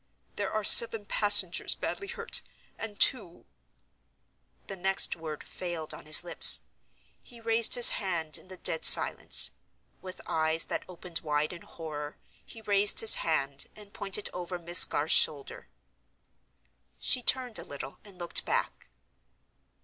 There are seven passengers badly hurt; and two—" The next word failed on his lips; he raised his hand in the dead silence. With eyes that opened wide in horror, he raised his hand and pointed over Miss Garth's shoulder. She turned a little, and looked back.